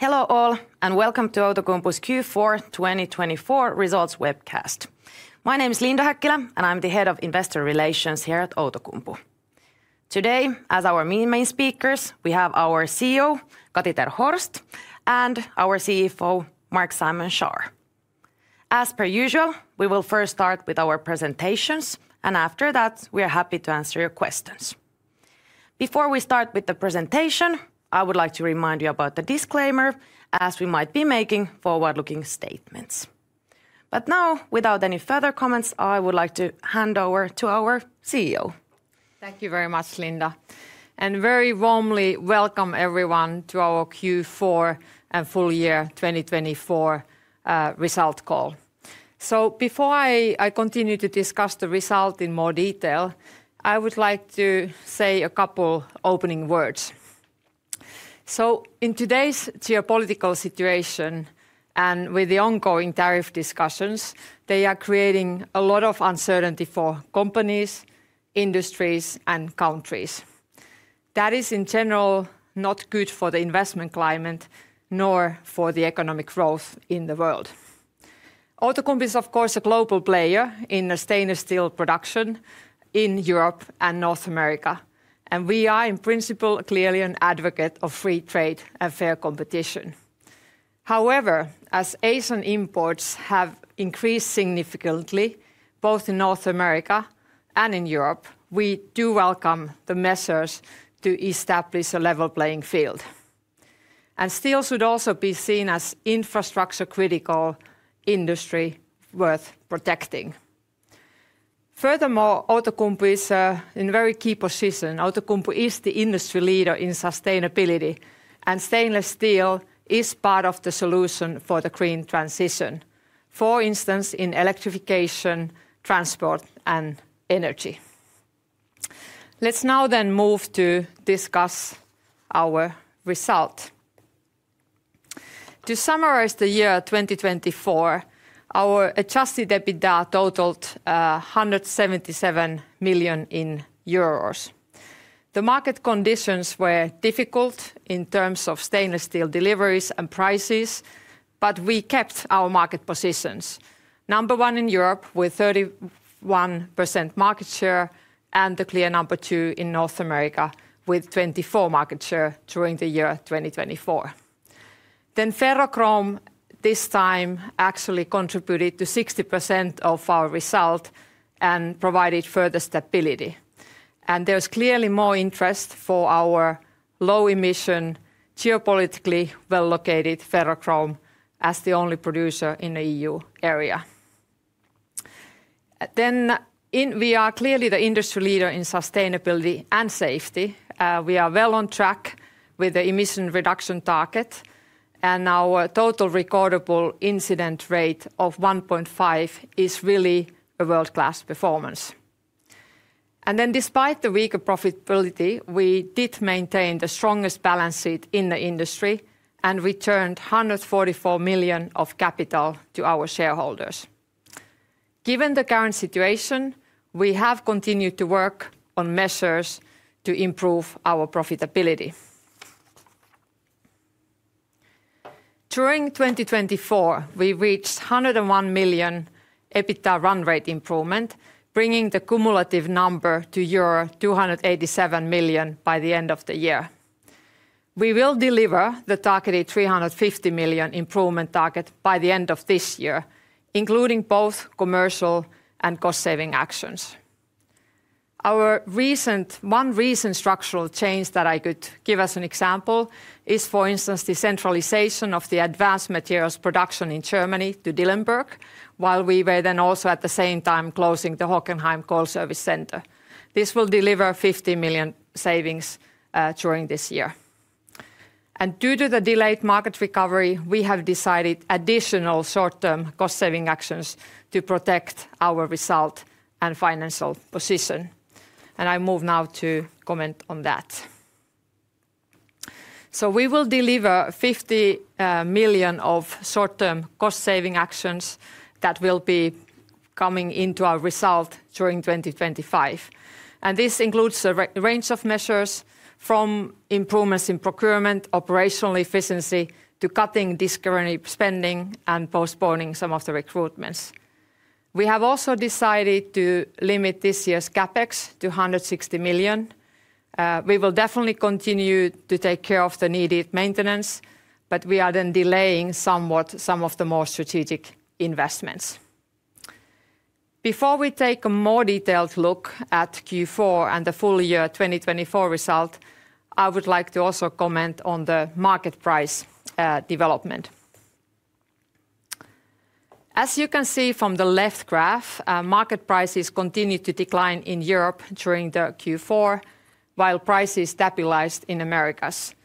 Hello all, and welcome to Outokumpu's Q4 2024 Results Webcast. My name is Linda Häkkilä, and I'm the Head of Investor Relations here at Outokumpu. Today, as our main speakers, we have our CEO, Kati ter Horst, and our CFO, Marc-Simon Schaar. As per usual, we will first start with our presentations, and after that, we are happy to answer your questions. Before we start with the presentation, I would like to remind you about the disclaimer, as we might be making forward-looking statements. But now, without any further comments, I would like to hand over to our CEO. Thank you very much, Linda, and very warmly welcome everyone to our Q4 and full-year 2024 result call, so before I continue to discuss the result in more detail, I would like to say a couple of opening words, so in today's geopolitical situation and with the ongoing tariff discussions, they are creating a lot of uncertainty for companies, industries, and countries. That is, in general, not good for the investment climate, nor for the economic growth in the world. Outokumpu is, of course, a global player in stainless steel production in Europe and North America, and we are in principle clearly an advocate of free trade and fair competition. However, as ASEAN imports have increased significantly, both in North America and in Europe, we do welcome the measures to establish a level playing field, and steel should also be seen as infrastructure-critical industry worth protecting. Furthermore, Outokumpu is in a very key position. Outokumpu is the industry leader in sustainability, and stainless steel is part of the solution for the green transition, for instance, in electrification, transport, and energy. Let's now then move to discuss our result. To summarize the year 2024, our adjusted EBITDA totaled 177 million euros. The market conditions were difficult in terms of stainless steel deliveries and prices, but we kept our market positions. Number one in Europe with 31% market share, and the clear number two in North America with 24% market share during the year 2024. Then ferrochrome this time actually contributed to 60% of our result and provided further stability. And there was clearly more interest for our low-emission, geopolitically well-located ferrochrome as the only producer in the EU area. Then we are clearly the industry leader in sustainability and safety. We are well on track with the emission reduction target, and our total recordable incident rate of 1.5 is really a world-class performance, and then, despite the weaker profitability, we did maintain the strongest balance sheet in the industry and returned 144 million of capital to our shareholders. Given the current situation, we have continued to work on measures to improve our profitability. During 2024, we reached 101 million EBITDA run rate improvement, bringing the cumulative number to euro 287 million by the end of the year. We will deliver the targeted 350 million improvement target by the end of this year, including both commercial and cost-saving actions. Our recent structural change that I could give as an example is, for instance, the centralization of the advanced materials production in Germany to Dillenburg, while we were then also at the same time closing the Hockenheim coil service center. This will deliver 50 million savings during this year, and due to the delayed market recovery, we have decided additional short-term cost-saving actions to protect our result and financial position, and I move now to comment on that, so we will deliver 50 million of short-term cost-saving actions that will be coming into our result during 2025. And this includes a range of measures from improvements in procurement, operational efficiency, to cutting discretionary spending and postponing some of the recruitments. We have also decided to limit this year's CapEx to 160 million. We will definitely continue to take care of the needed maintenance, but we are then delaying somewhat some of the more strategic investments. Before we take a more detailed look at Q4 and the full-year 2024 result, I would like to also comment on the market price development. As you can see from the left graph, market prices continued to decline in Europe during Q4, while prices stabilized in the Americas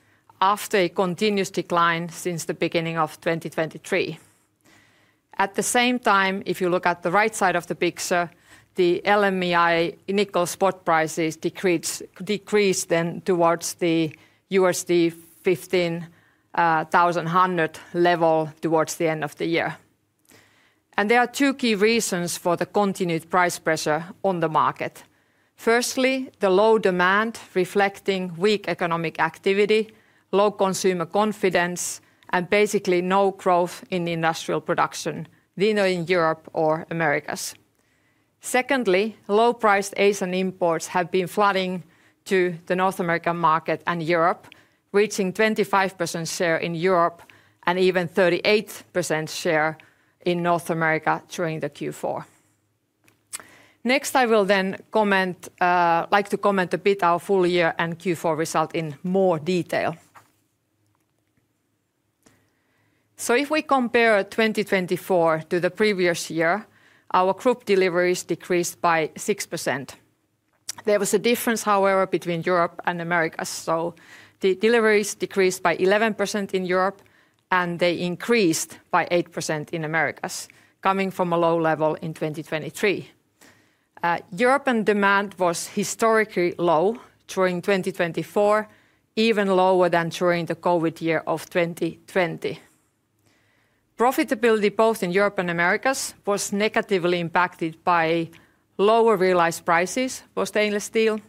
after a continuous decline since the beginning of 2023. At the same time, if you look at the right side of the picture, the LME nickel spot prices decreased then towards the $15,100 level towards the end of the year, and there are two key reasons for the continued price pressure on the market. Firstly, the low demand reflecting weak economic activity, low consumer confidence, and basically no growth in industrial production, neither in Europe nor the Americas. Secondly, low-priced ASEAN imports have been flooding to the North American market and Europe, reaching 25% share in Europe and even 38% share in North America during Q4. Next, I will then like to comment a bit on our full-year and Q4 result in more detail. If we compare 2024 to the previous year, our group deliveries decreased by 6%. There was a difference, however, between Europe and the Americas. The deliveries decreased by 11% in Europe, and they increased by 8% in the Americas, coming from a low level in 2023. European demand was historically low during 2024, even lower than during the COVID year of 2020. Profitability both in Europe and the Americas was negatively impacted by lower realized prices for stainless steel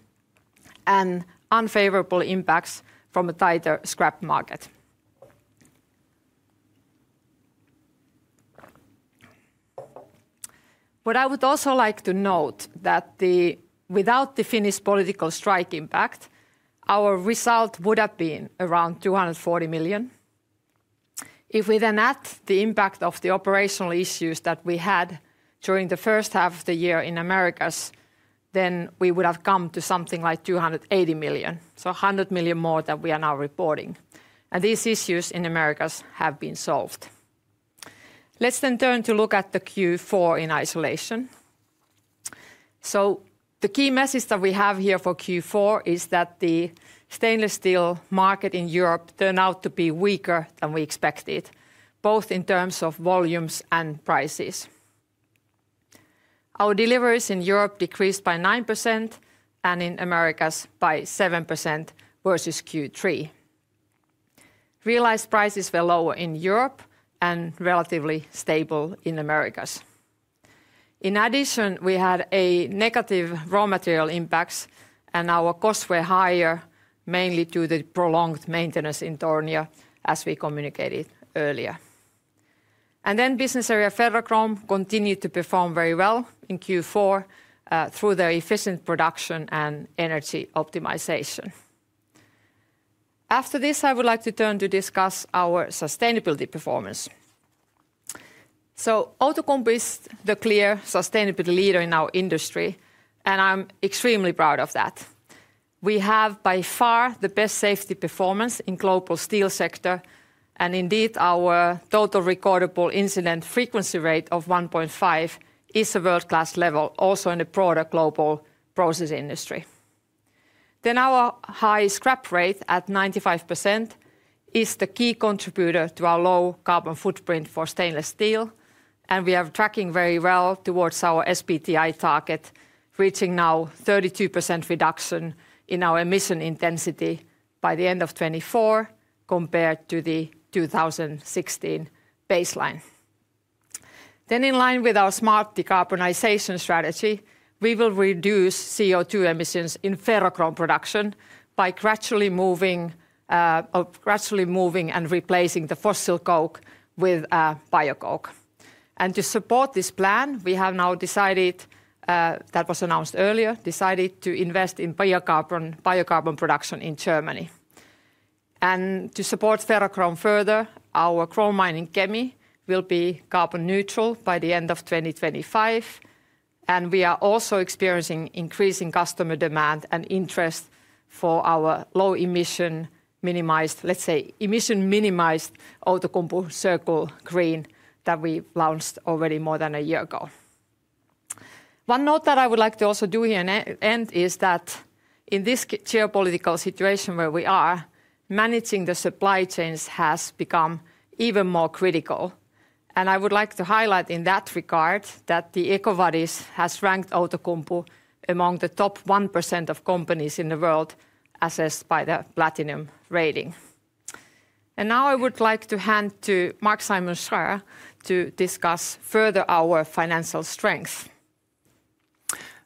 and unfavorable impacts from a tighter scrap market. What I would also like to note is that without the Finnish political strike impact, our result would have been around 240 million. If we then add the impact of the operational issues that we had during the first half of the year in the Americas, then we would have come to something like 280 million. So 100 million more than we are now reporting. And these issues in the Americas have been solved. Let's then turn to look at the Q4 in isolation. So the key message that we have here for Q4 is that the stainless steel market in Europe turned out to be weaker than we expected, both in terms of volumes and prices. Our deliveries in Europe decreased by 9% and in the Americas by 7% versus Q3. Realized prices were lower in Europe and relatively stable in the Americas. In addition, we had negative raw material impacts, and our costs were higher, mainly due to the prolonged maintenance in Tornio, as we communicated earlier. And then business area ferrochrome continued to perform very well in Q4 through their efficient production and energy optimization. After this, I would like to turn to discuss our sustainability performance. Outokumpu is the clear sustainability leader in our industry, and I'm extremely proud of that. We have by far the best safety performance in the global steel sector, and indeed our total recordable incident frequency rate of 1.5 is a world-class level, also in the broader global process industry. Our high scrap rate at 95% is the key contributor to our low carbon footprint for stainless steel, and we are tracking very well towards our SBTi target, reaching now 32% reduction in our emission intensity by the end of 2024 compared to the 2016 baseline. In line with our smart decarbonization strategy, we will reduce CO2 emissions in ferrochrome production by gradually moving and replacing the fossil coke with biocoke. To support this plan, we have now decided, that was announced earlier, decided to invest in biocarbon production in Germany. And to support ferrochrome further, our chrome mine in Kemi will be carbon neutral by the end of 2025, and we are also experiencing increasing customer demand and interest for our low emission, let's say, emission-minimized Outokumpu Circle Green that we launched already more than a year ago. One note that I would like to also do here and end is that in this geopolitical situation where we are, managing the supply chains has become even more critical. I would like to highlight in that regard that EcoVadis has ranked Outokumpu among the top 1% of companies in the world assessed by the Platinum rating. Now I would like to hand to Marc-Simon Schaar to discuss further our financial strength.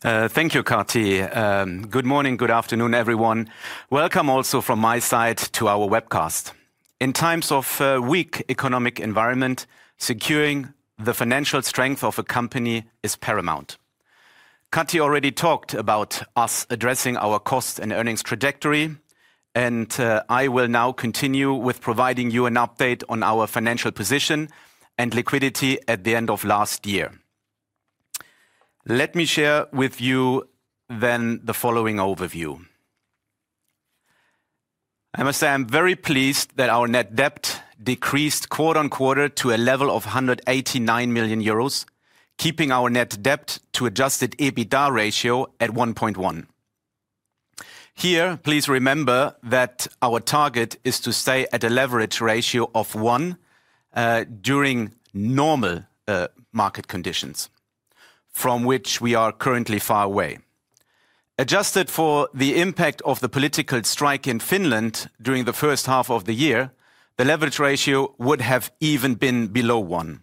Thank you, Kati. Good morning, good afternoon, everyone. Welcome also from my side to our webcast. In times of a weak economic environment, securing the financial strength of a company is paramount. Kati already talked about us addressing our cost and earnings trajectory, and I will now continue with providing you an update on our financial position and liquidity at the end of last year. Let me share with you then the following overview. I must say I'm very pleased that our net debt decreased quarter-on-quarter to a level of 189 million euros, keeping our net debt to adjusted EBITDA ratio at 1.1. Here, please remember that our target is to stay at a leverage ratio of one during normal market conditions, from which we are currently far away. Adjusted for the impact of the political strike in Finland during the first half of the year, the leverage ratio would have even been below 1.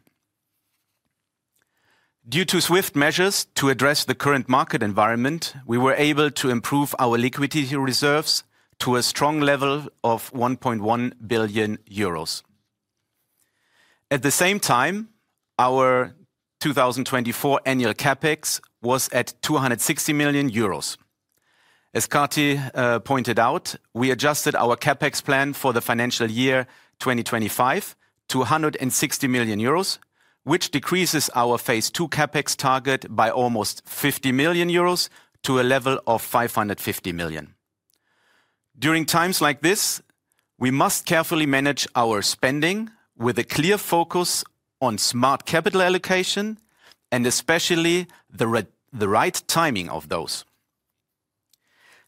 Due to swift measures to address the current market environment, we were able to improve our liquidity reserves to a strong level of 1.1 billion euros. At the same time, our 2024 annual CapEx was at 260 million euros. As Kati pointed out, we adjusted our CapEx plan for the financial year 2025 to 160 million euros, which decreases our phase two CapEx target by almost 50 million euros to a level of 550 million. During times like this, we must carefully manage our spending with a clear focus on smart capital allocation and especially the right timing of those.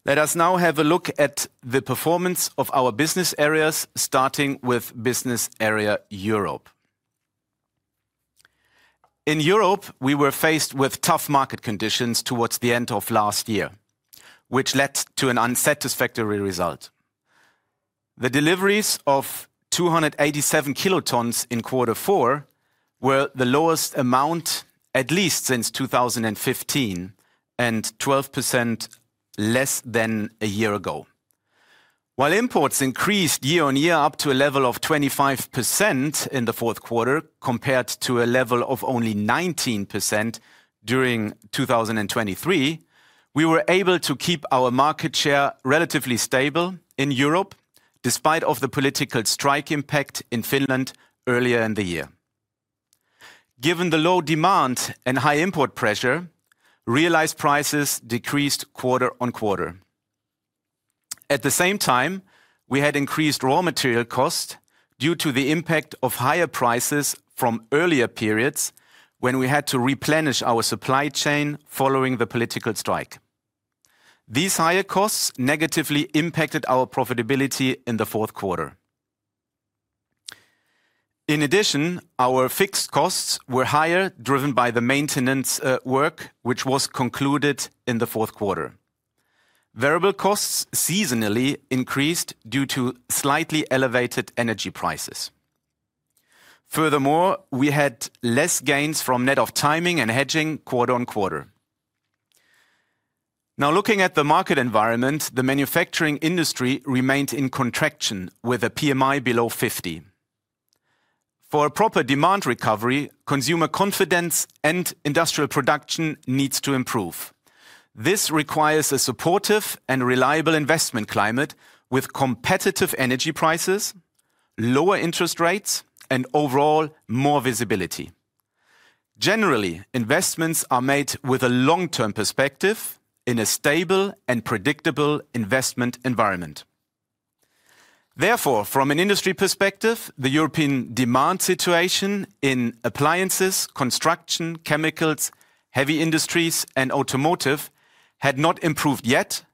Let us now have a look at the performance of our business areas, starting with business area Europe. In Europe, we were faced with tough market conditions towards the end of last year, which led to an unsatisfactory result. The deliveries of 287 kilo tons in quarter four were the lowest amount at least since 2015 and 12% less than a year ago. While imports increased year-on-year up to a level of 25% in the fourth quarter compared to a level of only 19% during 2023, we were able to keep our market share relatively stable in Europe despite the political strike impact in Finland earlier in the year. Given the low demand and high import pressure, realized prices decreased quarter-on-quarter. At the same time, we had increased raw material costs due to the impact of higher prices from earlier periods when we had to replenish our supply chain following the political strike. These higher costs negatively impacted our profitability in the fourth quarter. In addition, our fixed costs were higher, driven by the maintenance work, which was concluded in the fourth quarter. Variable costs seasonally increased due to slightly elevated energy prices. Furthermore, we had less gains from net of timing and hedging quarter-on-quarter. Now looking at the market environment, the manufacturing industry remained in contraction with a PMI below 50. For a proper demand recovery, consumer confidence and industrial production need to improve. This requires a supportive and reliable investment climate with competitive energy prices, lower interest rates, and overall more visibility. Generally, investments are made with a long-term perspective in a stable and predictable investment environment. Therefore, from an industry perspective, the European demand situation in appliances, construction, chemicals, heavy industries, and automotive had not improved yet,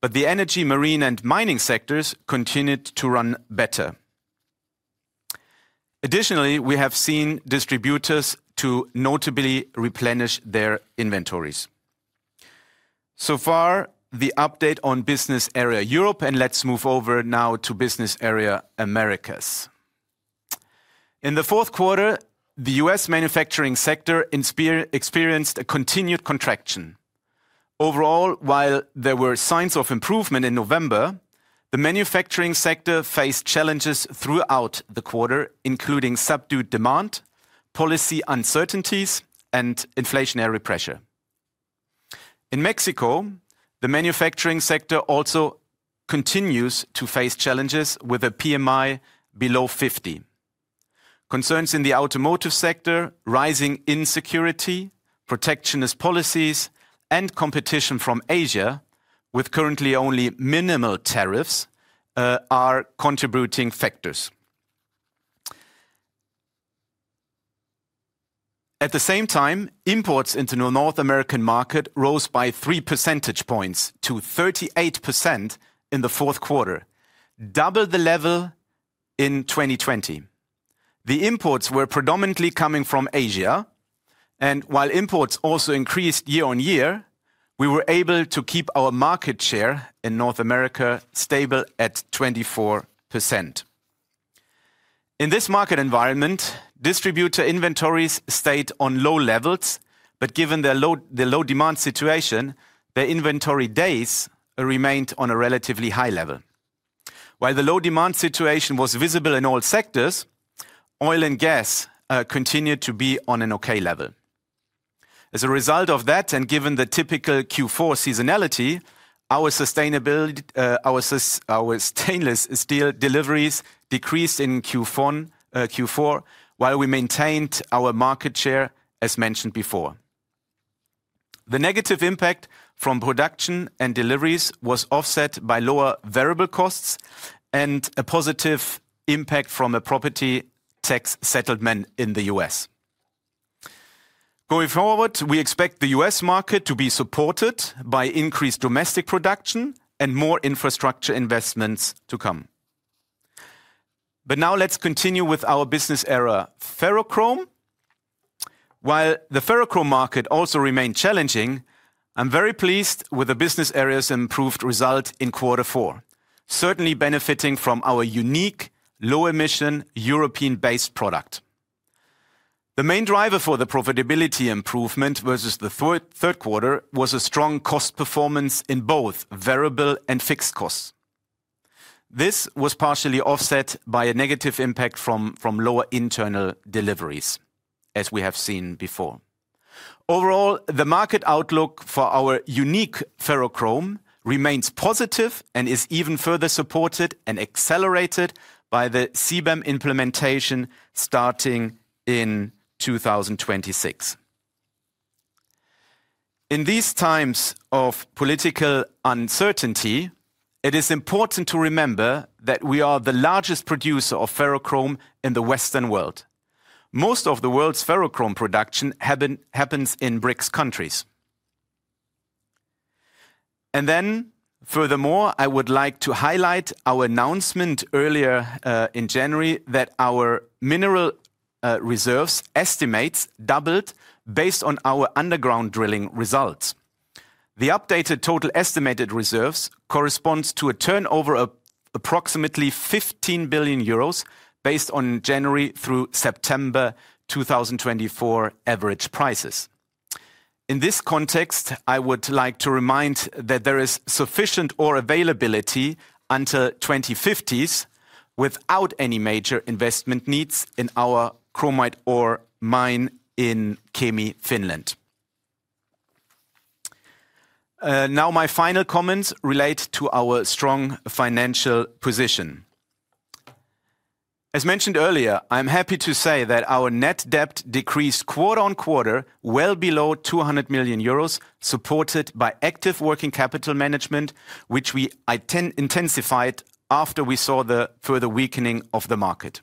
but the energy, marine, and mining sectors continued to run better. Additionally, we have seen distributors notably replenish their inventories. So far, the update on business area Europe, and let's move over now to business area Americas. In the fourth quarter, the U.S. manufacturing sector experienced a continued contraction. Overall, while there were signs of improvement in November, the manufacturing sector faced challenges throughout the quarter, including subdued demand, policy uncertainties, and inflationary pressure. In Mexico, the manufacturing sector also continues to face challenges with a PMI below 50. Concerns in the automotive sector, rising insecurity, protectionist policies, and competition from Asia, with currently only minimal tariffs, are contributing factors. At the same time, imports into the North American market rose by 3 percentage points to 38% in the fourth quarter, double the level in 2020. The imports were predominantly coming from Asia, and while imports also increased year-on-year, we were able to keep our market share in North America stable at 24%. In this market environment, distributor inventories stayed on low levels, but given the low demand situation, the inventory days remained on a relatively high level. While the low demand situation was visible in all sectors, oil and gas continued to be on an okay level. As a result of that, and given the typical Q4 seasonality, our stainless steel deliveries decreased in Q4 while we maintained our market share as mentioned before. The negative impact from production and deliveries was offset by lower variable costs and a positive impact from a property tax settlement in the U.S. Going forward, we expect the U.S. market to be supported by increased domestic production and more infrastructure investments to come. But now let's continue with our business area ferrochrome. While the ferrochrome market also remained challenging, I'm very pleased with the business area's improved result in quarter four, certainly benefiting from our unique low-emission European-based product. The main driver for the profitability improvement versus the third quarter was a strong cost performance in both variable and fixed costs. This was partially offset by a negative impact from lower internal deliveries, as we have seen before. Overall, the market outlook for our unique ferrochrome remains positive and is even further supported and accelerated by the CBAM implementation starting in 2026. In these times of political uncertainty, it is important to remember that we are the largest producer of ferrochrome in the Western world. Most of the world's ferrochrome production happens in BRICS countries, and then, furthermore, I would like to highlight our announcement earlier in January that our mineral reserves estimates doubled based on our underground drilling results. The updated total estimated reserves corresponds to a turnover of approximately 15 billion euros based on January through September 2024 average prices. In this context, I would like to remind that there is sufficient ore availability until 2050 without any major investment needs in our chromite ore mine in Kemi, Finland. Now, my final comments relate to our strong financial position. As mentioned earlier, I'm happy to say that our net debt decreased quarter-on-quarter well below 200 million euros, supported by active working capital management, which we intensified after we saw the further weakening of the market.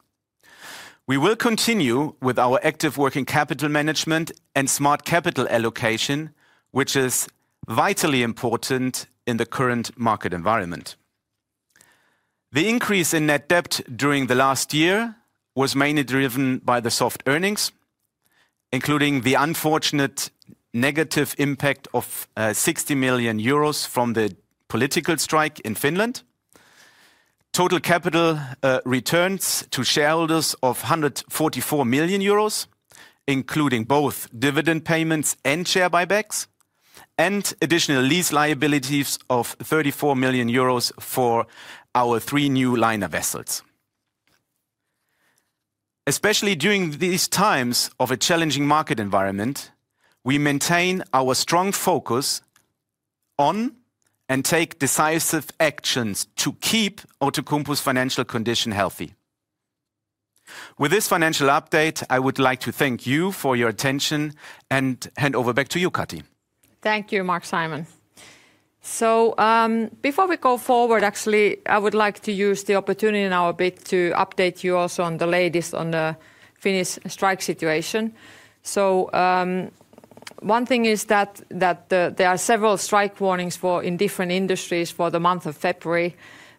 We will continue with our active working capital management and smart capital allocation, which is vitally important in the current market environment. The increase in net debt during the last year was mainly driven by the soft earnings, including the unfortunate negative impact of 60 million euros from the political strike in Finland. Total capital returns to shareholders of 144 million euros, including both dividend payments and share buybacks, and additional lease liabilities of 34 million euros for our three new liner vessels. Especially during these times of a challenging market environment, we maintain our strong focus on and take decisive actions to keep Outokumpu's financial condition healthy. With this financial update, I would like to thank you for your attention and hand over back to you, Kati. Thank you, Marc-Simon. So before we go forward, actually, I would like to use the opportunity now a bit to update you also on the latest on the Finnish strike situation. So one thing is that there are several strike warnings in different industries for the month of February,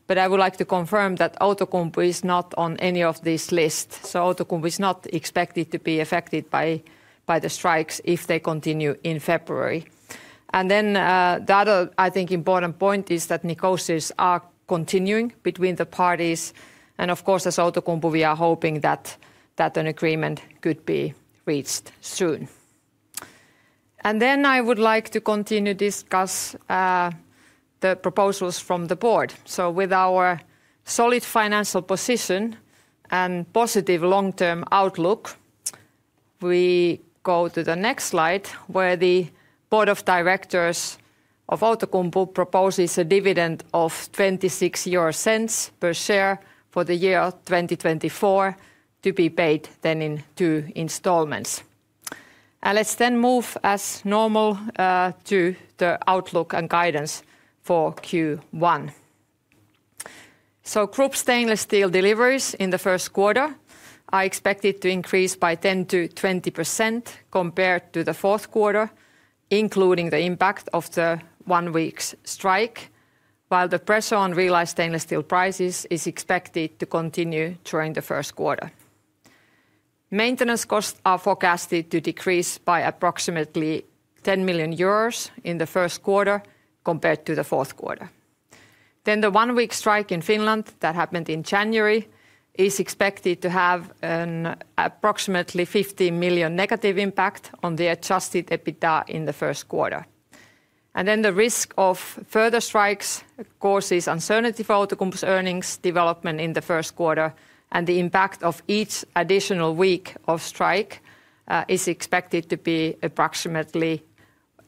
but I would like to confirm that Outokumpu is not on any of these lists. So Outokumpu is not expected to be affected by the strikes if they continue in February. And then the other, I think, important point is that negotiations are continuing between the parties. And of course, as Outokumpu, we are hoping that an agreement could be reached soon. And then I would like to continue to discuss the proposals from the board. With our solid financial position and positive long-term outlook, we go to the next slide where the board of directors of Outokumpu proposes a dividend of 0.26 per share for the year 2024 to be paid then in two installments. Let's then move as normal to the outlook and guidance for Q1. Outokumpu stainless steel deliveries in the first quarter are expected to increase by 10%-20% compared to the fourth quarter, including the impact of the one-week strike, while the pressure on realized stainless steel prices is expected to continue during the first quarter. Maintenance costs are forecasted to decrease by approximately 10 million euros in the first quarter compared to the fourth quarter. The one-week strike in Finland that happened in January is expected to have an approximately 15 million negative impact on the adjusted EBITDA in the first quarter. And then the risk of further strikes causes uncertainty for Outokumpu's earnings development in the first quarter, and the impact of each additional week of strike is expected to be approximately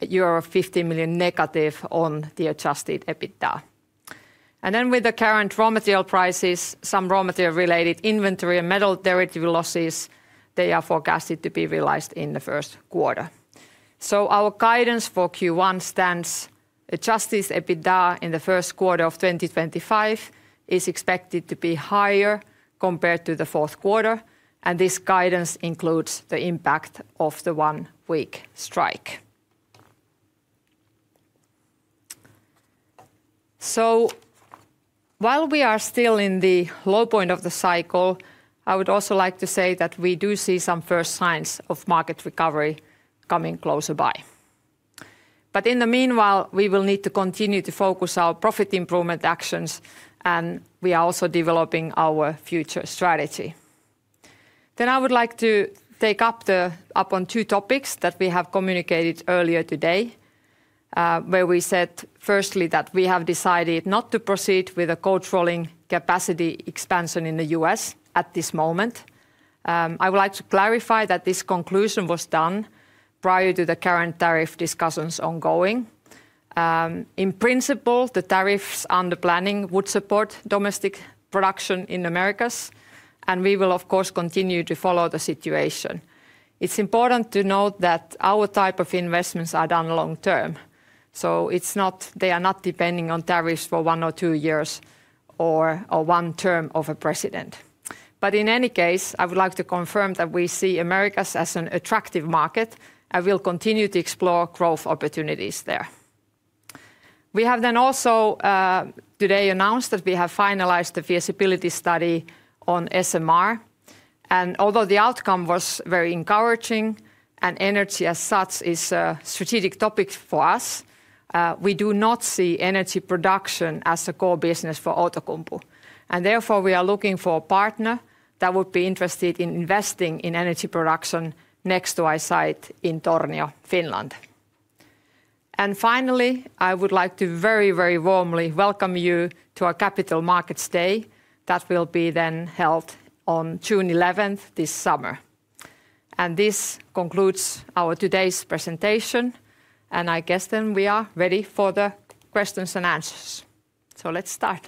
euro 15 million negative on the adjusted EBITDA. And then with the current raw material prices, some raw material-related inventory and metal derivative losses, they are forecasted to be realized in the first quarter. So our guidance for Q1 stands adjusted EBITDA in the first quarter of 2025 is expected to be higher compared to the fourth quarter, and this guidance includes the impact of the one-week strike. So while we are still in the low point of the cycle, I would also like to say that we do see some first signs of market recovery coming closer by. But in the meanwhile, we will need to continue to focus our profit improvement actions, and we are also developing our future strategy. Then I would like to take up on two topics that we have communicated earlier today, where we said firstly that we have decided not to proceed with a cold rolling capacity expansion in the U.S. at this moment. I would like to clarify that this conclusion was done prior to the current tariff discussions ongoing. In principle, the tariffs under planning would support domestic production in the Americas, and we will, of course, continue to follow the situation. It's important to note that our type of investments are done long-term, so they are not depending on tariffs for one or two years or one term of a president. But in any case, I would like to confirm that we see Americas as an attractive market and will continue to explore growth opportunities there. We have then also today announced that we have finalized the feasibility study on SMR. And although the outcome was very encouraging and energy as such is a strategic topic for us, we do not see energy production as a core business for Outokumpu. And therefore, we are looking for a partner that would be interested in investing in energy production next to our site in Tornio, Finland. And finally, I would like to very, very warmly welcome you to our Capital Markets Day that will be then held on June 11th this summer. And this concludes our today's presentation, and I guess then we are ready for the questions-and-answers. So let's start.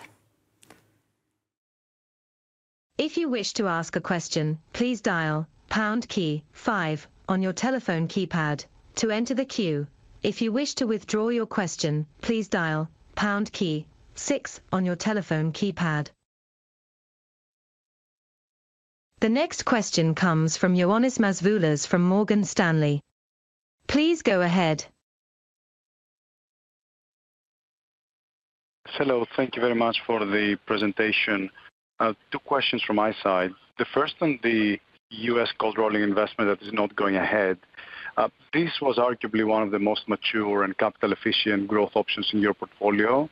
If you wish to ask a question, please dial pound key, five on your telephone keypad to enter the queue. If you wish to withdraw your question, please dial pound key, six on your telephone keypad. The next question comes from Ioannis Masvoulas from Morgan Stanley. Please go ahead. Hello, thank you very much for the presentation. Two questions from my side. The first on the U.S. cold rolling investment that is not going ahead. This was arguably one of the most mature and capital-efficient growth options in your portfolio.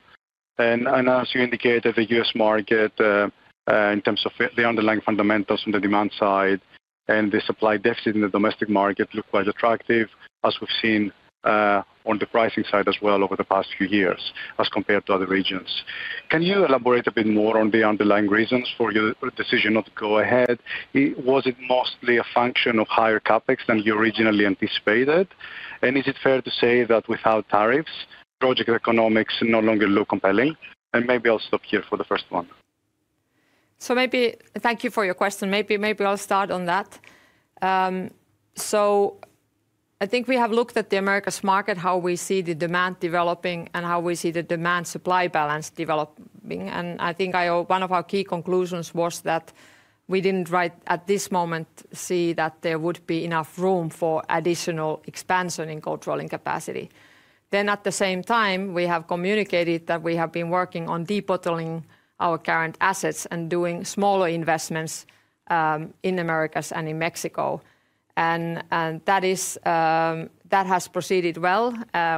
And as you indicated, the U.S. market in terms of the underlying fundamentals on the demand side and the supply deficit in the domestic market looked quite attractive, as we've seen on the pricing side as well over the past few years as compared to other regions. Can you elaborate a bit more on the underlying reasons for your decision not to go ahead? Was it mostly a function of higher CapEx than you originally anticipated? And is it fair to say that without tariffs, project economics no longer look compelling? And maybe I'll stop here for the first one. Maybe thank you for your question. Maybe I'll start on that. So I think we have looked at the Americas market, how we see the demand developing and how we see the demand-supply balance developing. And I think one of our key conclusions was that we didn't right at this moment see that there would be enough room for additional expansion in cold rolling capacity. Then at the same time, we have communicated that we have been working on deploying our current assets and doing smaller investments in the Americas and in Mexico. And that has proceeded well.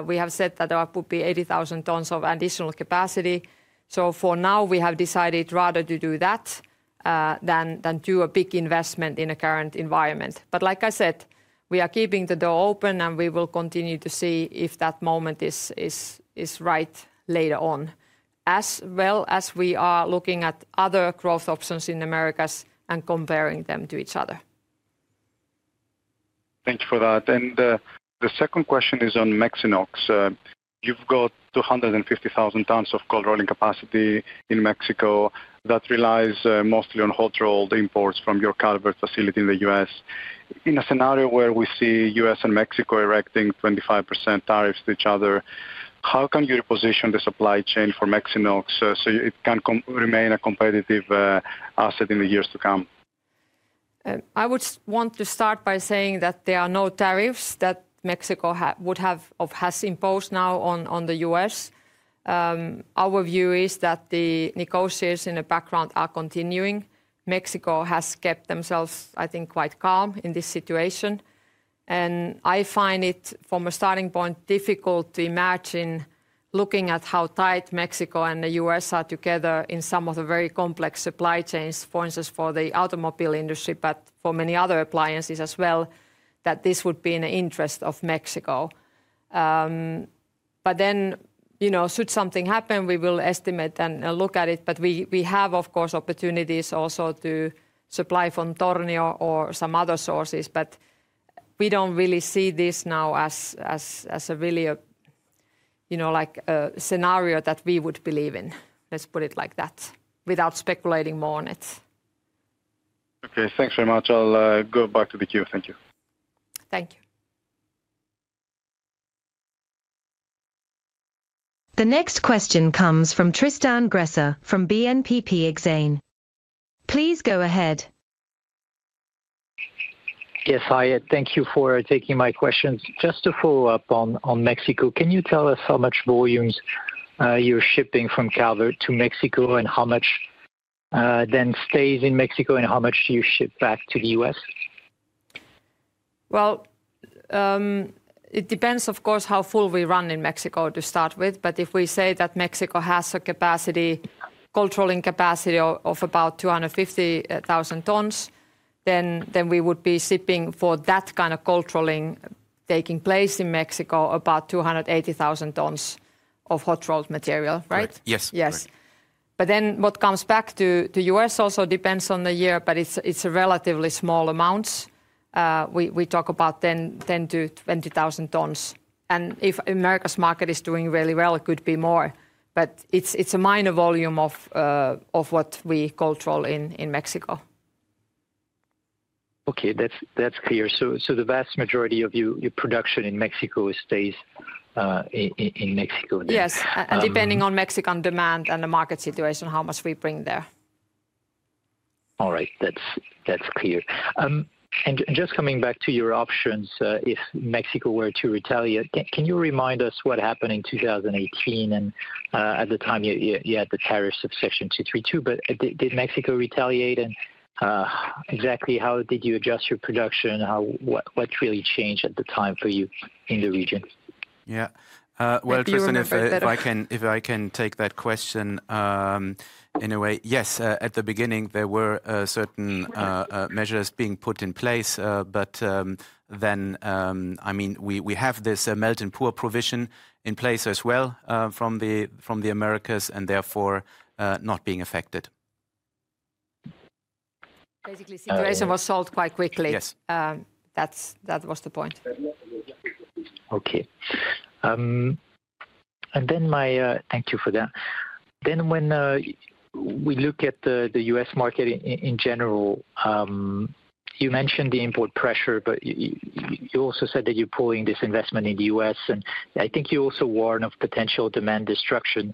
We have said that there would be 80,000 tons of additional capacity. So for now, we have decided rather to do that than do a big investment in a current environment. But like I said, we are keeping the door open and we will continue to see if that moment is right later on, as well as we are looking at other growth options in the Americas and comparing them to each other. Thank you for that. And the second question is on Mexinox. You've got 250,000 tons of cold rolling capacity in Mexico that relies mostly on hot-rolled imports from your Calvert facility in the U.S. In a scenario where we see the U.S. and Mexico erecting 25% tariffs to each other, how can you reposition the supply chain for Mexinox so it can remain a competitive asset in the years to come? I would want to start by saying that there are no tariffs that Mexico would have or has imposed now on the U.S. Our view is that the negotiations in the background are continuing. Mexico has kept themselves, I think, quite calm in this situation, and I find it from a starting point difficult to imagine looking at how tight Mexico and the U.S. are together in some of the very complex supply chains, for instance, for the automobile industry, but for many other appliances as well, that this would be in the interest of Mexico. But then, you know, should something happen, we will estimate and look at it, but we have, of course, opportunities also to supply from Tornio or some other sources, but we don't really see this now as a really, you know, like a scenario that we would believe in. Let's put it like that without speculating more on it. Okay, thanks very much. I'll go back to the queue. Thank you. Thank you. The next question comes from Tristan Gresser from BNP Paribas Exane. Please go ahead. Yes, hi there. Thank you for taking my questions. Just to follow up on Mexico, can you tell us how much volume you're shipping from Calvert to Mexico and how much then stays in Mexico and how much do you ship back to the U.S.? It depends, of course, how full we run in Mexico to start with. If we say that Mexico has a cold rolling capacity of about 250,000 tons, then we would be shipping for that kind of cold rolling taking place in Mexico about 280,000 tons of hot-rolled material, right? Yes. Yes. But then what comes back to the U.S. also depends on the year, but it's a relatively small amount. We talk about 10-20,000 tons. And if America's market is doing really well, it could be more. But it's a minor volume of what we cold roll in Mexico. Okay, that's clear. So the vast majority of your production in Mexico stays in Mexico? Yes, and depending on Mexican demand and the market situation, how much we bring there. All right, that's clear. And just coming back to your options, if Mexico were to retaliate, can you remind us what happened in 2018? And at the time, you had the tariffs of Section 232, but did Mexico retaliate? And exactly how did you adjust your production? What really changed at the time for you in the region? Yeah. Well, Tristan, if I can take that question in a way, yes, at the beginning, there were certain measures being put in place, but then, I mean, we have this melt-and-pour provision in place as well from the Americas and therefore not being affected. Basically, the reserves were sold quite quickly. Yes. That was the point. Okay. And then, my thank you for that. Then, when we look at the U.S. market in general, you mentioned the import pressure, but you also said that you're pulling this investment in the U.S. And I think you also warn of potential demand destruction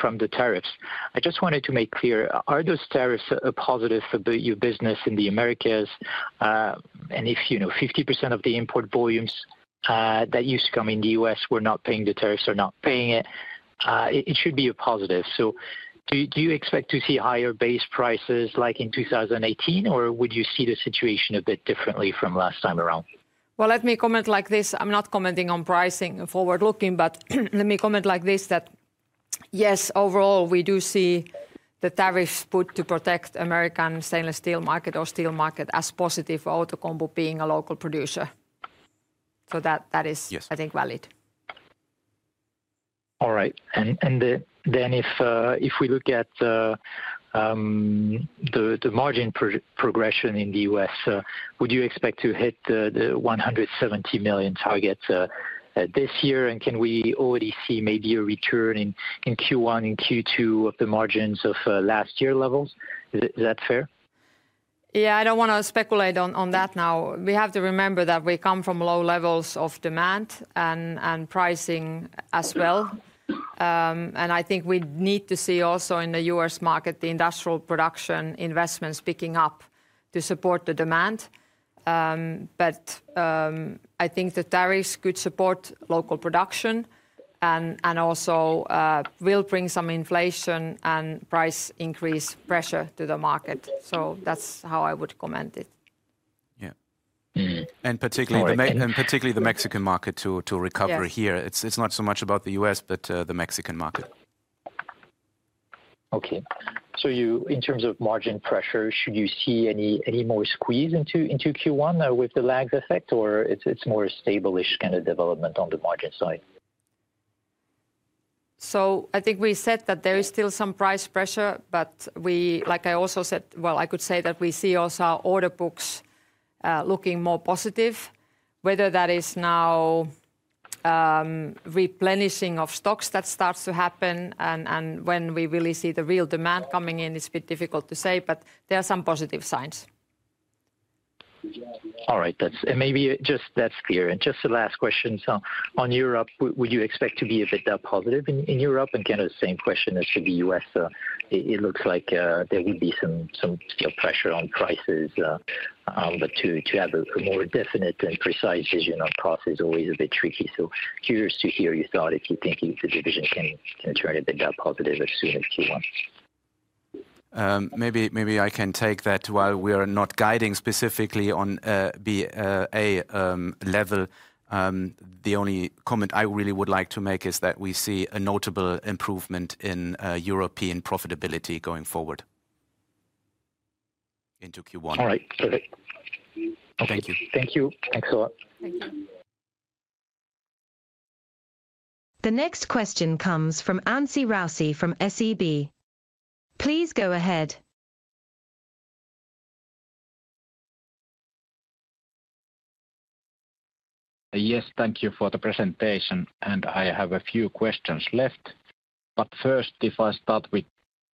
from the tariffs. I just wanted to make clear, are those tariffs a positive for your business in the Americas? And if 50% of the import volumes that used to come in the U.S. were not paying the tariffs or not paying it, it should be a positive. So do you expect to see higher base prices like in 2018, or would you see the situation a bit differently from last time around? Let me comment like this. I'm not commenting on pricing forward-looking, but let me comment like this that yes, overall, we do see the tariffs put to protect the American stainless steel market or steel market as positive for Outokumpu being a local producer. That is, I think, valid. All right. And then if we look at the margin progression in the U.S., would you expect to hit the 170 million target this year? And can we already see maybe a return in Q1 and Q2 of the margins of last year levels? Is that fair? Yeah, I don't want to speculate on that now. We have to remember that we come from low levels of demand and pricing as well. And I think we need to see also in the U.S. market the industrial production investments picking up to support the demand. But I think the tariffs could support local production and also will bring some inflation and price increase pressure to the market. So that's how I would comment it. Yeah, and particularly the Mexican market to recover here. It's not so much about the U.S., but the Mexican market. Okay. So in terms of margin pressure, should you see any more squeeze into Q1 with the lags effect, or it's more stable-ish kind of development on the margin side? I think we said that there is still some price pressure, but we, like I also said, well, I could say that we see also our order books looking more positive, whether that is now replenishing of stocks that starts to happen, and when we really see the real demand coming in, it's a bit difficult to say, but there are some positive signs. All right. And maybe just that’s clear. And just the last question. So, on Europe, would you expect to be a bit positive in Europe? And kind of the same question as to the U.S.. It looks like there would be some pressure on prices, but to have a more definite and precise vision on costs is always a bit tricky. So, curious to hear your thought if you think the division can turn a bit positive as soon as Q1. Maybe I can take that while we are not guiding specifically on a level. The only comment I really would like to make is that we see a notable improvement in European profitability going forward into Q1. All right. Perfect. Thank you. Thank you. Thanks a lot. The next question comes from Anssi Raussi from SEB. Please go ahead. Yes, thank you for the presentation. And I have a few questions left. But first, if I start with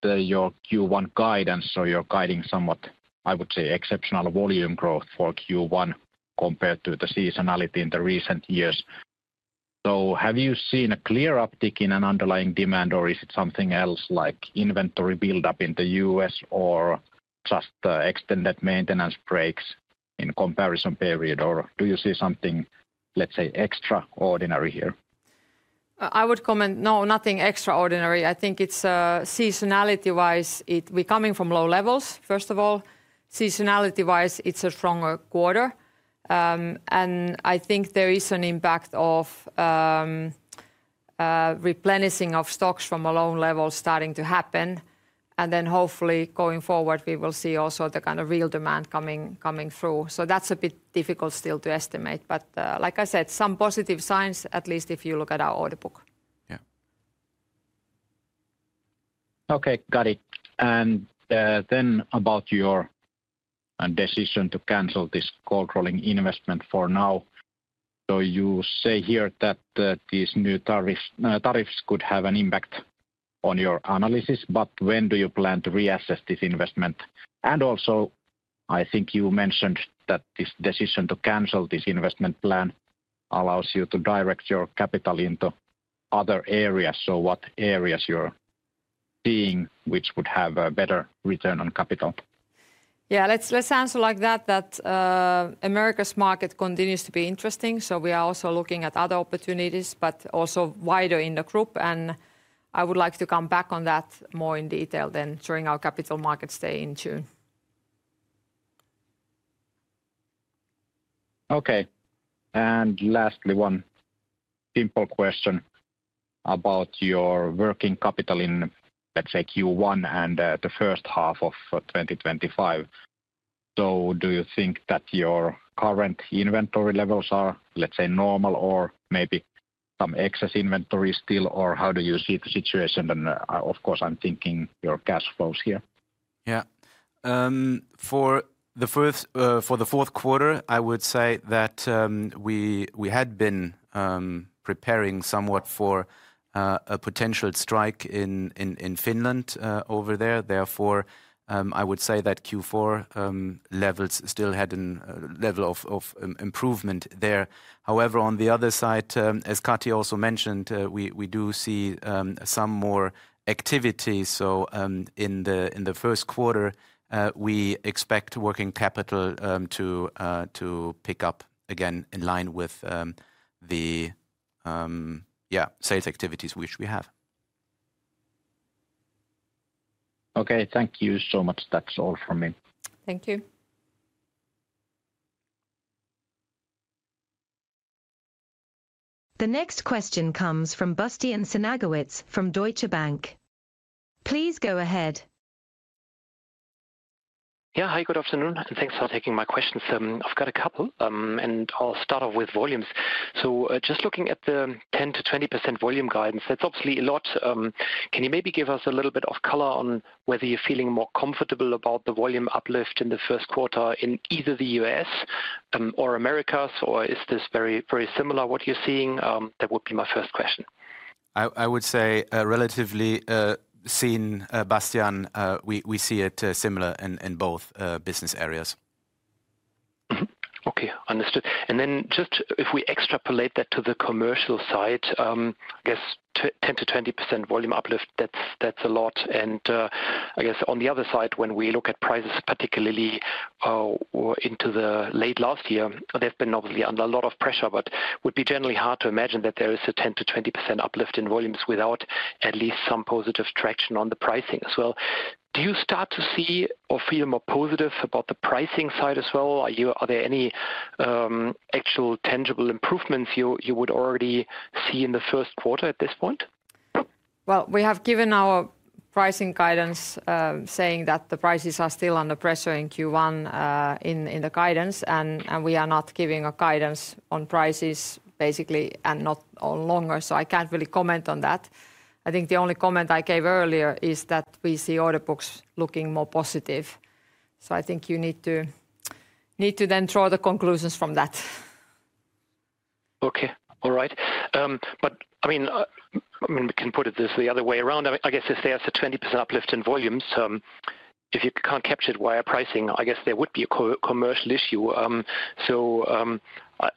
your Q1 guidance or your guiding somewhat, I would say exceptional volume growth for Q1 compared to the seasonality in the recent years. So have you seen a clear uptick in an underlying demand, or is it something else like inventory buildup in the U.S. or just extended maintenance breaks in comparison period? Or do you see something, let's say, extraordinary here? I would comment, no, nothing extraordinary. I think it's seasonality-wise, we're coming from low levels, first of all. Seasonality-wise, it's a stronger quarter, and I think there is an impact of replenishing of stocks from a low level starting to happen, and then hopefully going forward, we will see also the kind of real demand coming through, so that's a bit difficult still to estimate, but like I said, some positive signs, at least if you look at our order book. Yeah. Okay, got it. And then about your decision to cancel this capacity investment for now. So you say here that these new tariffs could have an impact on your analysis, but when do you plan to reassess this investment? And also, I think you mentioned that this decision to cancel this investment plan allows you to direct your capital into other areas. So what areas you're seeing which would have a better return on capital? Yeah, let's answer like that, that America's market continues to be interesting. So we are also looking at other opportunities, but also wider in the group. And I would like to come back on that more in detail then during our Capital Markets Day in June. Okay. And lastly, one simple question about your working capital in, let's say, Q1 and the first half of 2025. So do you think that your current inventory levels are, let's say, normal or maybe some excess inventory still, or how do you see the situation? And of course, I'm thinking your cash flows here. Yeah. For the fourth quarter, I would say that we had been preparing somewhat for a potential strike in Finland over there. Therefore, I would say that Q4 levels still had a level of improvement there. However, on the other side, as Kati also mentioned, we do see some more activity, so in the first quarter, we expect working capital to pick up again in line with the, yeah, sales activities which we have. Okay, thank you so much. That's all from me. Thank you. The next question comes from Bastian Synagowitz from Deutsche Bank. Please go ahead. Yeah, hi, good afternoon, and thanks for taking my questions. I've got a couple, and I'll start off with volumes. So just looking at the 10%-20% volume guidance, that's obviously a lot. Can you maybe give us a little bit of color on whether you're feeling more comfortable about the volume uplift in the first quarter in either the U.S. or Americas, or is this very, very similar what you're seeing? That would be my first question. I would say relatively seen, Bastian, we see it similar in both business areas. Okay, understood. And then just if we extrapolate that to the commercial side, I guess 10%-20% volume uplift, that's a lot. And I guess on the other side, when we look at prices, particularly into the late last year, there's been obviously a lot of pressure, but it would be generally hard to imagine that there is a 10%-20% uplift in volumes without at least some positive traction on the pricing as well. Do you start to see or feel more positive about the pricing side as well? Are there any actual tangible improvements you would already see in the first quarter at this point? We have given our pricing guidance saying that the prices are still under pressure in Q1 in the guidance, and we are not giving a guidance on prices basically and not on longer. I can't really comment on that. I think the only comment I gave earlier is that we see order books looking more positive. I think you need to then draw the conclusions from that. Okay, all right, but I mean, we can put it the other way around. I guess if there's a 20% uplift in volumes, if you can't capture it via pricing, I guess there would be a commercial issue, so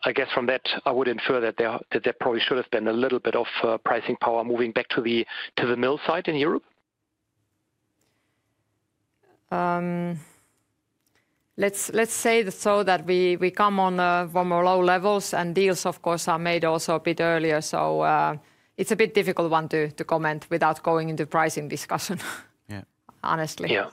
I guess from that, I would infer that there probably should have been a little bit of pricing power moving back to the mill side in Europe. Let's say so that we come on from low levels, and deals, of course, are made also a bit earlier, so it's a bit difficult one to comment without going into pricing discussion, honestly. Yeah.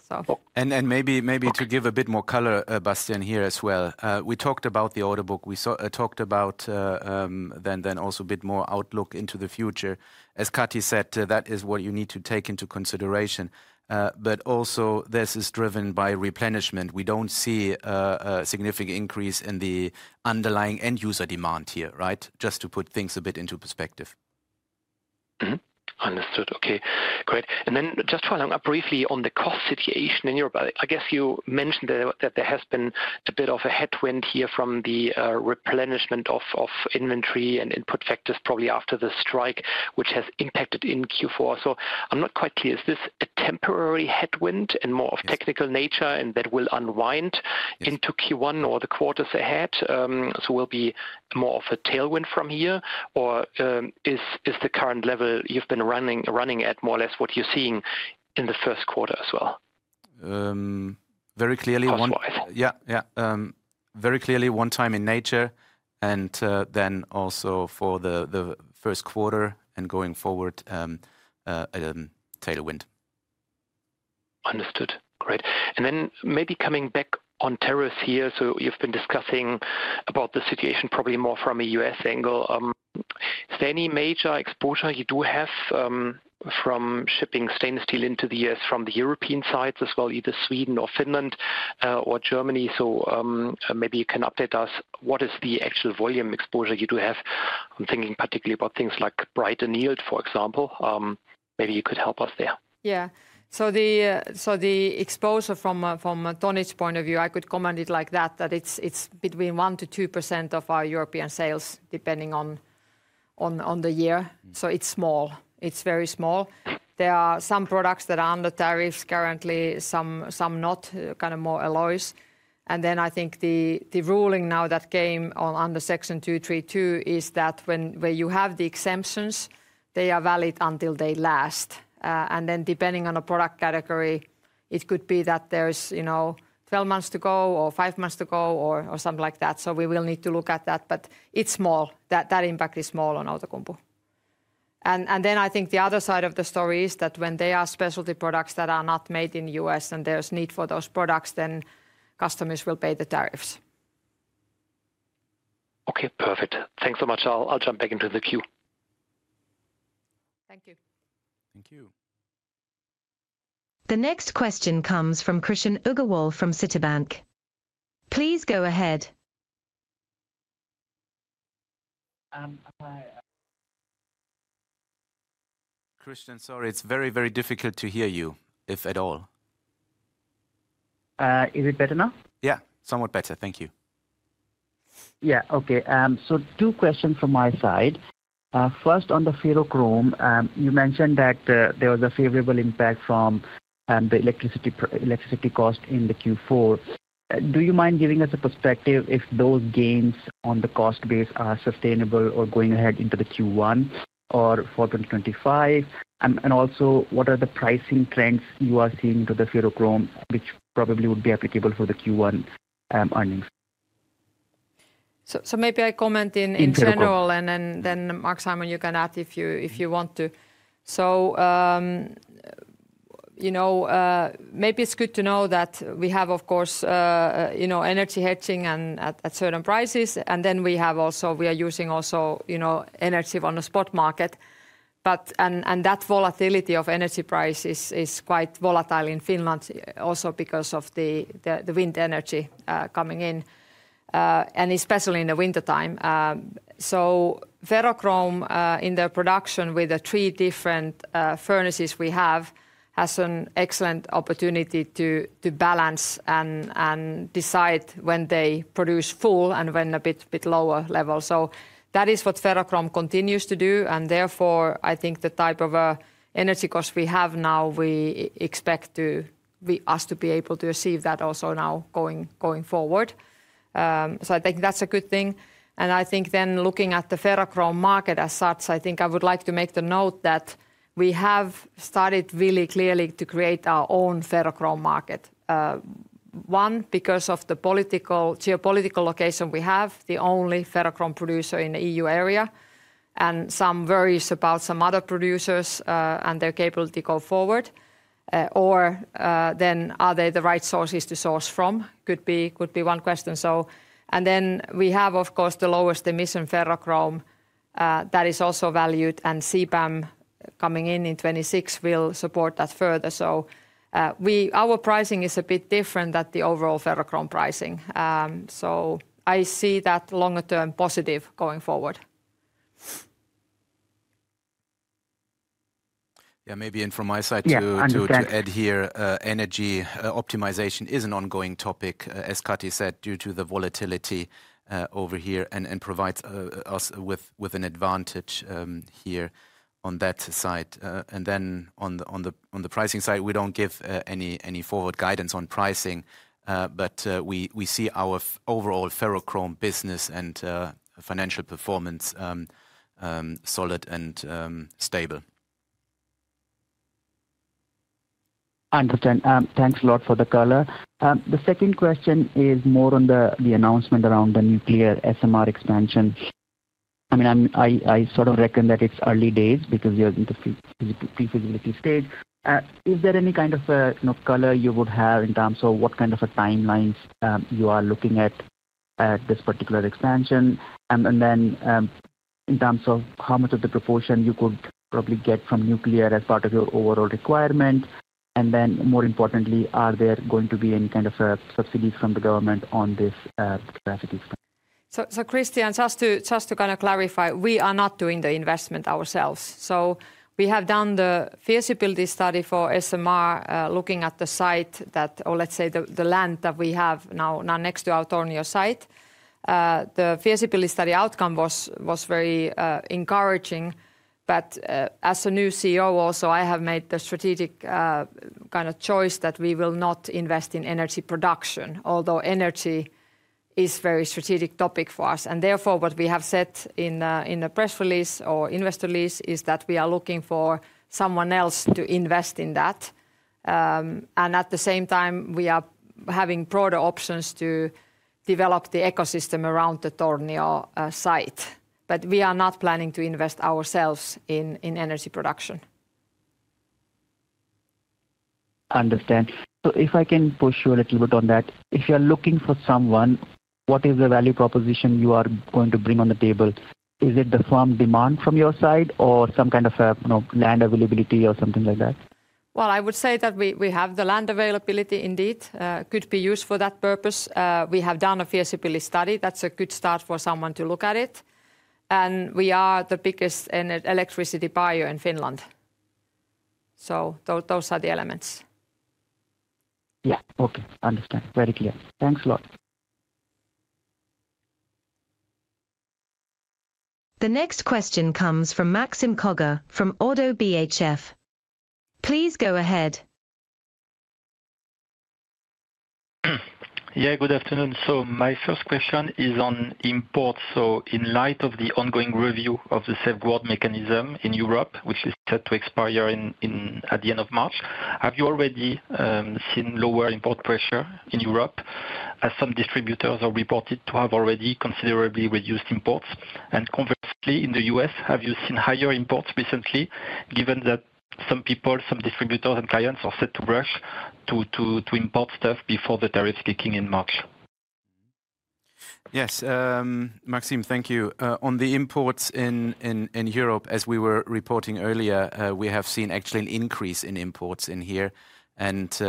And maybe to give a bit more color, Bastian, here as well, we talked about the order book. We talked about then also a bit more outlook into the future. As Kati said, that is what you need to take into consideration. But also this is driven by replenishment. We don't see a significant increase in the underlying end user demand here, right? Just to put things a bit into perspective. Understood. Okay, great. And then just following up briefly on the cost situation in Europe, I guess you mentioned that there has been a bit of a headwind here from the replenishment of inventory and input factors probably after the strike, which has impacted in Q4. So I'm not quite clear. Is this a temporary headwind and more of technical nature and that will unwind into Q1 or the quarters ahead? So will be more of a tailwind from here, or is the current level you've been running at more or less what you're seeing in the first quarter as well? Very clearly one. Otherwise. Yeah, yeah. Very clearly one time in nature and then also for the first quarter and going forward, tailwind. Understood. Great. And then maybe coming back on tariffs here. So you've been discussing about the situation probably more from a U.S. angle. Is there any major exposure you do have from shipping stainless steel into the U.S. from the European sides as well, either Sweden or Finland or Germany? So maybe you can update us what is the actual volume exposure you do have? I'm thinking particularly about things like Section 232, for example. Maybe you could help us there. Yeah. So the exposure from a tonnage point of view, I could comment it like that, that it's between 1%-2% of our European sales, depending on the year. So it's small. It's very small. There are some products that are under tariffs currently, some not, kind of more alloys. And then I think the ruling now that came on under Section 232 is that when you have the exemptions, they are valid until they last. And then depending on the product category, it could be that there's 12 months to go or five months to go or something like that. So we will need to look at that. But it's small. That impact is small on Outokumpu. I think the other side of the story is that when there are specialty products that are not made in the U.S. and there's need for those products, then customers will pay the tariffs. Okay, perfect. Thanks so much. I'll jump back into the queue. Thank you. Thank you. The next question comes from Krishan Agarwal from Citi. Please go ahead. Krishan, sorry, it's very, very difficult to hear you, if at all. Is it better now? Yeah, somewhat better. Thank you. Yeah, okay. So two questions from my side. First, on the ferrochrome, you mentioned that there was a favorable impact from the electricity cost in the Q4. Do you mind giving us a perspective if those gains on the cost base are sustainable or going ahead into the Q1 or for 2025? And also, what are the pricing trends you are seeing to the ferrochrome, which probably would be applicable for the Q1 earnings? So maybe I comment in general and then Maxime, you can add if you want to. So maybe it's good to know that we have, of course, energy hedging at certain prices, and then we are using also energy on the spot market. And that volatility of energy prices is quite volatile in Finland also because of the wind energy coming in, and especially in the wintertime. So ferrochrome in the production with the three different furnaces we have has an excellent opportunity to balance and decide when they produce full and when a bit lower level. So that is what ferrochrome continues to do. And therefore, I think the type of energy cost we have now, we expect us to be able to achieve that also now going forward. So I think that's a good thing. I think then looking at the ferrochrome market as such, I think I would like to make the note that we have started really clearly to create our own ferrochrome market. One, because of the geopolitical location we have, the only ferrochrome producer in the EU area, and some worries about some other producers and their capability going forward, or then are they the right sources to source from? Could be one question. Then we have, of course, the lowest emission ferrochrome that is also valued, and CBAM coming in in 2026 will support that further. Our pricing is a bit different than the overall ferrochrome pricing. I see that longer term positive going forward. Yeah, maybe from my side to add here, energy optimization is an ongoing topic, as Kati said, due to the volatility over here, and provides us with an advantage here on that side. And then on the pricing side, we don't give any forward guidance on pricing, but we see our overall ferrochrome business and financial performance solid and stable. Understood. Thanks a lot for the color. The second question is more on the announcement around the nuclear SMR expansion. I mean, I sort of reckon that it's early days because you're in the pre-feasibility stage. Is there any kind of color you would have in terms of what kind of timelines you are looking at this particular expansion? And then in terms of how much of the proportion you could probably get from nuclear as part of your overall requirement? And then more importantly, are there going to be any kind of subsidies from the government on this capacity expansion? Krishan, just to kind of clarify, we are not doing the investment ourselves. So we have done the feasibility study for SMR looking at the site that, or let's say the land that we have now next to our Tornio site. The feasibility study outcome was very encouraging. But as a new CEO also, I have made the strategic kind of choice that we will not invest in energy production, although energy is a very strategic topic for us. And therefore, what we have said in the press release or investor release is that we are looking for someone else to invest in that. And at the same time, we are having broader options to develop the ecosystem around the Tornio site. But we are not planning to invest ourselves in energy production. Understand. So if I can push you a little bit on that, if you're looking for someone, what is the value proposition you are going to bring on the table? Is it the firm demand from your side or some kind of land availability or something like that? I would say that we have the land availability indeed. It could be used for that purpose. We have done a feasibility study. That's a good start for someone to look at it. We are the biggest electricity buyer in Finland. Those are the elements. Yeah, okay. Understand. Very clear. Thanks a lot. The next question comes from Maxime Kogge from ODDO BHF. Please go ahead. Yeah, good afternoon. So my first question is on imports. So in light of the ongoing review of the safeguard mechanism in Europe, which is set to expire at the end of March, have you already seen lower import pressure in Europe as some distributors are reported to have already considerably reduced imports? And conversely, in the U.S., have you seen higher imports recently, given that some people, some distributors and clients are set to rush to import stuff before the tariffs kick in in March? Yes, Maxime, thank you. On the imports in Europe, as we were reporting earlier, we have seen actually an increase in imports in here, and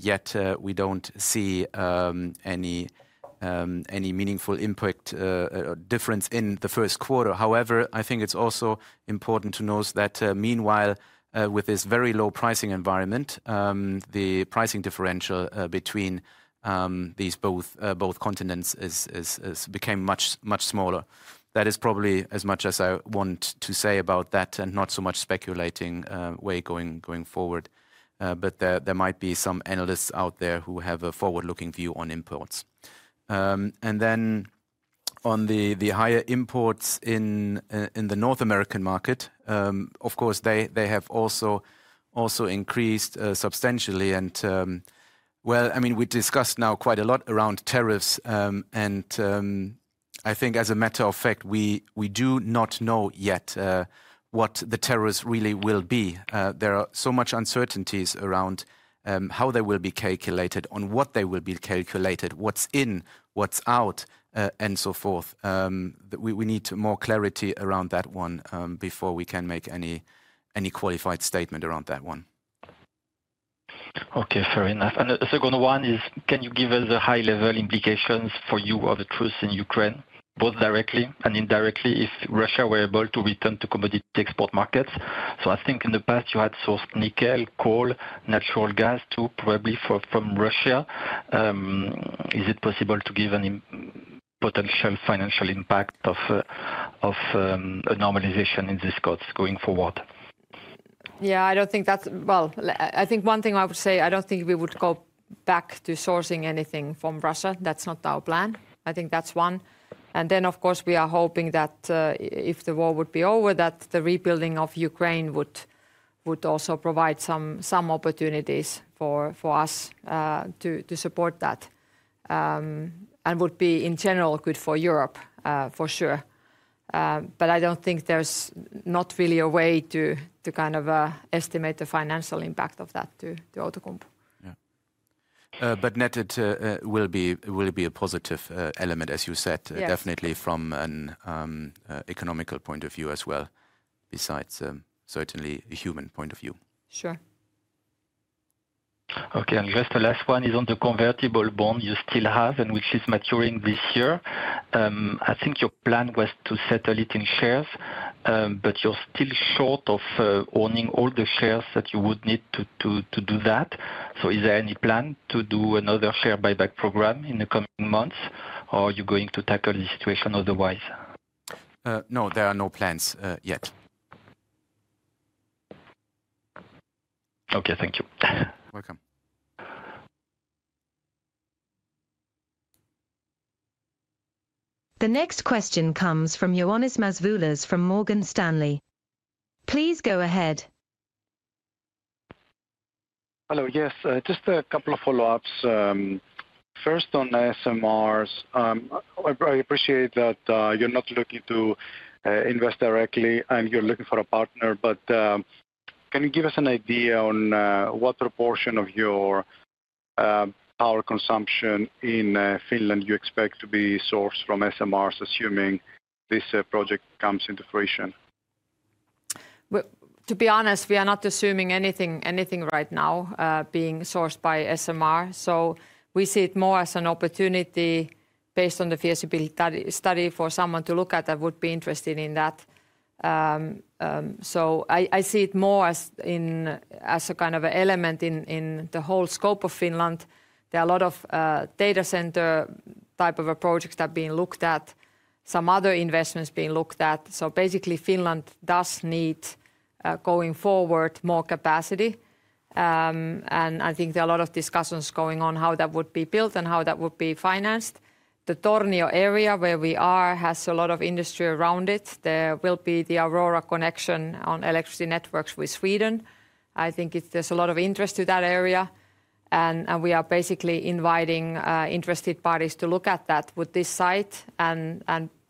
yet we don't see any meaningful impact difference in the first quarter. However, I think it's also important to note that meanwhile, with this very low pricing environment, the pricing differential between these both continents became much smaller. That is probably as much as I want to say about that and not so much speculating way going forward, but there might be some analysts out there who have a forward-looking view on imports, and then on the higher imports in the North American market, of course, they have also increased substantially, and well, I mean, we discussed now quite a lot around tariffs, and I think as a matter of fact, we do not know yet what the tariffs really will be. There are so much uncertainties around how they will be calculated, on what they will be calculated, what's in, what's out, and so forth. We need more clarity around that one before we can make any qualified statement around that one. Okay, fair enough. And the second one is, can you give us a high-level implications for you of the truce in Ukraine, both directly and indirectly, if Russia were able to return to commodity export markets? So I think in the past you had sourced nickel, coal, natural gas too probably from Russia. Is it possible to give any potential financial impact of a normalization in these costs going forward? Yeah, I don't think that. Well, I think one thing I would say, I don't think we would go back to sourcing anything from Russia. That's not our plan. I think that's one, and then, of course, we are hoping that if the war would be over, that the rebuilding of Ukraine would also provide some opportunities for us to support that and would be in general good for Europe, for sure. But I don't think there's not really a way to kind of estimate the financial impact of that to Outokumpu. Yeah, but net, it will be a positive element, as you said, definitely from an economic point of view as well, besides certainly a human point of view. Sure. Okay. And just the last one is on the convertible bond you still have and which is maturing this year. I think your plan was to settle it in shares, but you're still short of owning all the shares that you would need to do that. So is there any plan to do another share buyback program in the coming months, or are you going to tackle the situation otherwise? No, there are no plans yet. Okay, thank you. You're welcome. The next question comes from Ioannis Masvoulas from Morgan Stanley. Please go ahead. Hello, yes. Just a couple of follow-ups. First, on SMRs, I appreciate that you're not looking to invest directly and you're looking for a partner. But can you give us an idea on what proportion of your power consumption in Finland you expect to be sourced from SMRs, assuming this project comes into fruition? To be honest, we are not assuming anything right now being sourced by SMR. So we see it more as an opportunity based on the feasibility study for someone to look at that would be interested in that. So I see it more as a kind of element in the whole scope of Finland. There are a lot of data center type of projects that are being looked at, some other investments being looked at. So basically, Finland does need going forward more capacity. And I think there are a lot of discussions going on how that would be built and how that would be financed. The Tornio area where we are has a lot of industry around it. There will be the Aurora connection on electricity networks with Sweden. I think there's a lot of interest to that area. We are basically inviting interested parties to look at that with this site.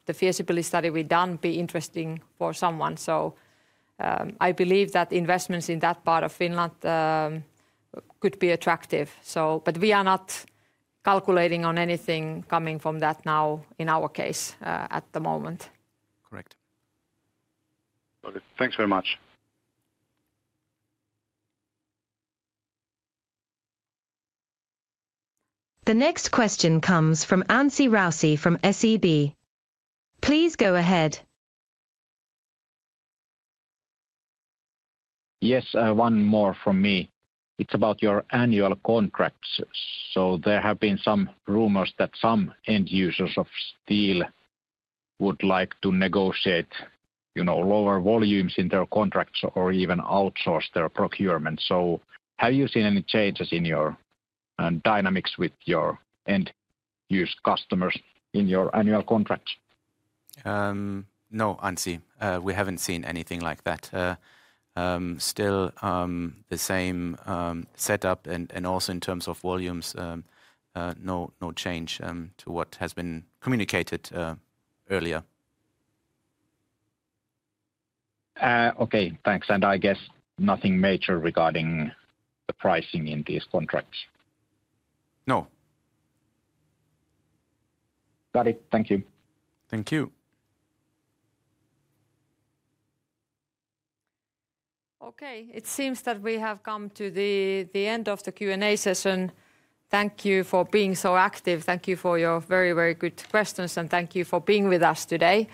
The feasibility study we've done would be interesting for someone. I believe that investments in that part of Finland could be attractive. We are not calculating on anything coming from that now in our case at the moment. Correct. Okay, thanks very much. The next question comes from Anssi Raussi from SEB. Please go ahead. Yes, one more from me. It's about your annual contracts. So there have been some rumors that some end users of steel would like to negotiate lower volumes in their contracts or even outsource their procurement. So have you seen any changes in your dynamics with your end-use customers in your annual contracts? No, Anssi. We haven't seen anything like that. Still the same setup and also in terms of volumes, no change to what has been communicated earlier. Okay, thanks. And I guess nothing major regarding the pricing in these contracts? No. Got it. Thank you. Thank you. Okay, it seems that we have come to the end of the Q&A session. Thank you for being so active. Thank you for your very, very good questions. And thank you for being with us today.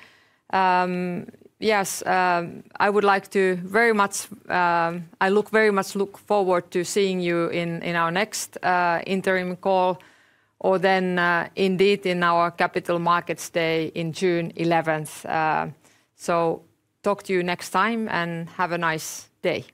Yes, I look very much forward to seeing you in our next interim call or then indeed in our Capital Markets Day on June 11th. So talk to you next time and have a nice day.